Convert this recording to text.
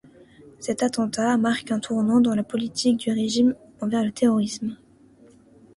Cet attentat marque un tournant dans la politique du régime, envers le terrorisme.